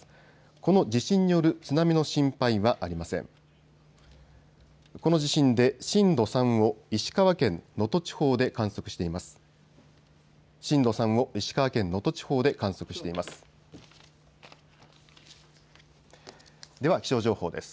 この地震で震度３を石川県能登地方で観測しています。